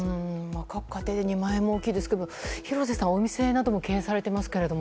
各家庭で２万円も大きいですが廣瀬さん、お店なども経営されていますけども。